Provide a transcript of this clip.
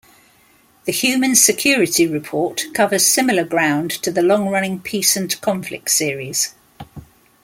The "Human Security Report" covers similar ground to the long-running Peace and Conflict series.